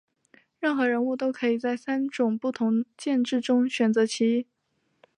任何人物都可以在三种不同剑质中选择其一。